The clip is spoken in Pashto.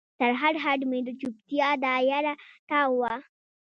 تر هډ، هډ مې د چوپتیا دا یره تاو وه